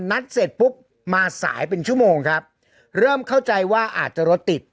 นัดเสร็จปุ๊บมาสายเป็นชั่วโมงครับเริ่มเข้าใจว่าอาจจะรถติด